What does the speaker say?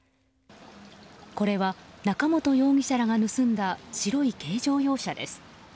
これは、中本容疑者らが盗んだ白い軽乗用車です。